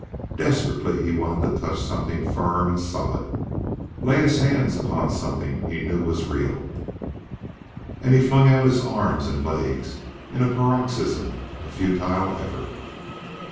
Desperately he wanted to touch something firm and solid; lay his hands upon something he knew was real; and he flung out arms and legs in a paroxysm of futile effort.